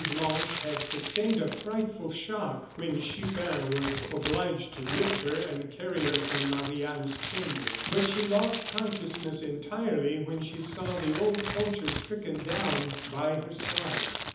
Blanche had sustained a frightful shock, when Chupin was obliged to lift her and carry her from Marie Anne's chamber. But she lost consciousness entirely when she saw the old poacher stricken down by her side.